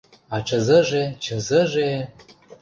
А чызыже-чызыже...